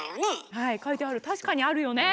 はい書いてある確かにあるよね。